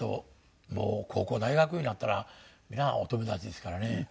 もう高校大学になったらみんなお友達ですからね。